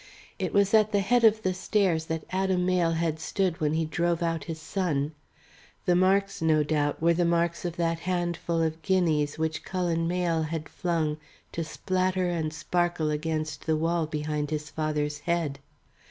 It was at the head of the stairs that Adam Mayle had stood when he drove out his son. The marks no doubt were the marks of that handful of guineas which Cullen had flung to splatter and sparkle against the wall behind his father's head.